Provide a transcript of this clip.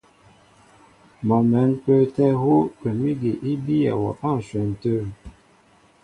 Mɔ mɛ̌n a pə́ə́tɛ́ hú gwɛ̌m ígi í bíyɛ wɔ á ǹshwɛn tə̂.